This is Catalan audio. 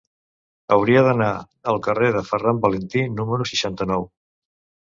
Hauria d'anar al carrer de Ferran Valentí número seixanta-nou.